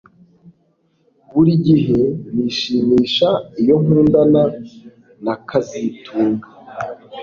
Buri gihe nishimisha iyo nkundana na kazitunga